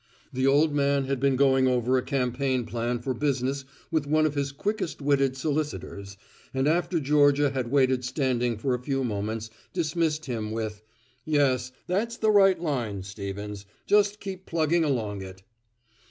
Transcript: The old man had been going over a campaign plan for business with one of his quickest witted solicitors, and after Georgia had waited standing for a few moments, dismissed him with, "Yes, that's the right line, Stevens. Just keep plugging along it."